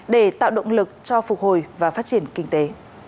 để tạo động lực cho phục hồi và phát triển kinh tế